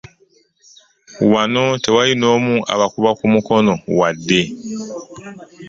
Wano tewaali n'omu abakuba ku mukono wadde.